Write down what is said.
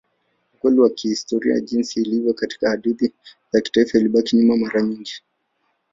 Ukweli wa kihistoria jinsi ilivyo katika hadithi za kitaifa ilibaki nyuma mara nyingi.